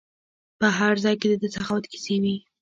په هر ځای کې د ده سخاوت کیسې وي.